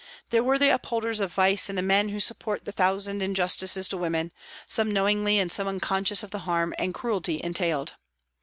There were the upholders of vice and the men who support the thousand injustices to women, some knowingly and some unconscious of the harm and cruelty entailed.